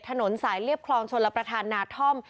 ถนนสายเรียบคลองชลประธานนาท่อม